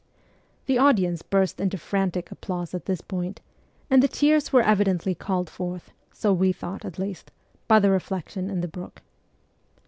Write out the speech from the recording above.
The audience burst into frantic applause at this point, and the cheers were evidently called forth so we thought, at least by the reflection in the brook.